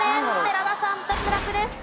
寺田さん脱落です。